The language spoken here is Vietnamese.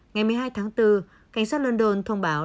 ngày một mươi hai tháng bốn cảnh sát london thông báo